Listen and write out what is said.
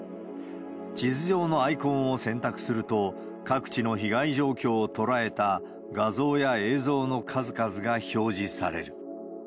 地図上のアイコンを選択すると、各地の被害状況を捉えた画像や映像の数々が表示される。